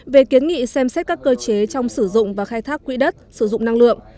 về kiến nghị xem xét các cơ chế trong sử dụng và khai thác quỹ đất sử dụng năng lượng